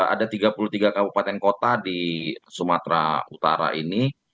ada tiga puluh tiga kabupaten kota di sumatera utara ini